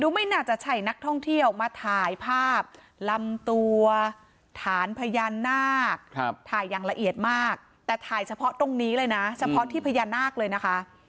ไม่น่าจะใช่นักท่องเที่ยวมาถ่ายภาพลำตัวฐานพญานาคถ่ายอย่างละเอียดมากแต่ถ่ายเฉพาะตรงนี้เลยนะเฉพาะที่พญานาคเลยนะคะ